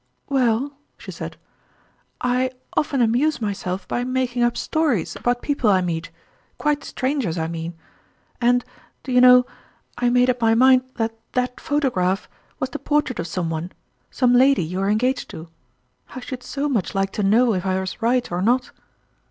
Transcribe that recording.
"Well," she said, "I often amuse myself by making up stories about people I meet quite strangers, I mean. And, do you know, I made up my mind that that photograph was the portrait of some one some lady you are engaged to. I should so much like to know if I was right or not